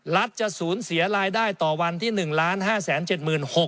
รัฐจะศูนย์เสียรายได้ต่อวันที่๑๕๗๖๐๐๐บาท